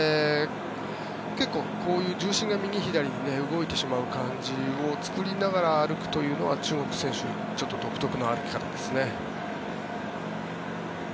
結構、こういう重心が右左に動いてしまう感じを作りながら歩くというのは中国の選手の独特な歩き方ですね。